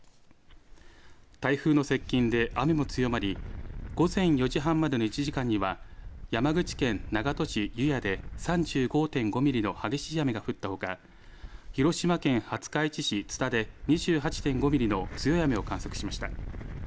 台風の接近で雨も強まり午前４時半までの１時間には山口県長門市油谷で３５．５ミリの激しい雨が降ったほか広島県廿日市市津田で２８．５ミリの強い雨を観測しました。